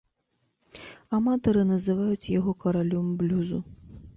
Аматары называюць яго каралём блюзу.